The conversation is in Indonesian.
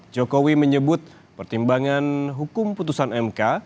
jokowi menyebut pertimbangan hukum putusan mk